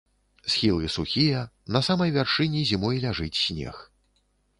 Схілы сухія, на самай вяршыні зімой ляжыць снег.